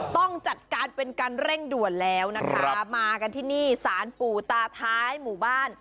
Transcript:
ต้องจัดการเป็นการเร่งด่วนแล้วนะคะมากันที่นี่สารปู่ตาท้ายหมู่บ้าน